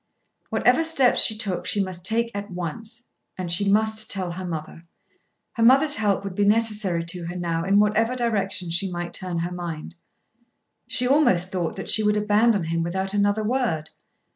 Whatever steps she took she must take at once. And she must tell her mother. Her mother's help would be necessary to her now in whatever direction she might turn her mind. She almost thought that she would abandon him without another word.